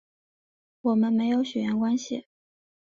我们没有血缘关系